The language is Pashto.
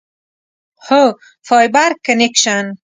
هو، فایبر کنکشن